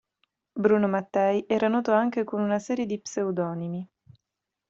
Bruno Mattei era noto anche con una serie di pseudonimi.